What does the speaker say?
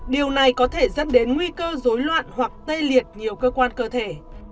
điều này có thể dẫn đến nguy cơ dối loạn hoặc tê liệt nhiều cơ quan cơ thể